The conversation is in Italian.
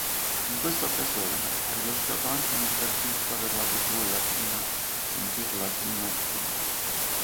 In questa occasione ha rilasciato anche un'intervista per la tv latina "Sentirlatino tv".